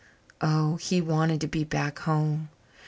Oh, he wanted to be back home!